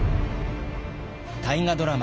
大河ドラマ